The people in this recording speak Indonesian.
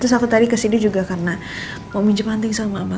terus aku tadi kesini juga karena mau minjem anti sama apa